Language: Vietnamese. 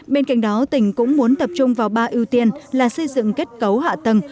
bên cạnh đó tỉnh cũng muốn tập trung vào ba ưu tiên là xây dựng kết cấu hạ tầng